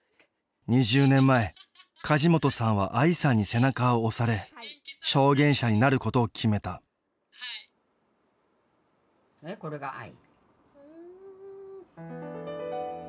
２０年前梶本さんはあいさんに背中を押され証言者になることを決めたえっこれがあい。